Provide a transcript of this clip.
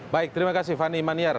baik terima kasih fani maniar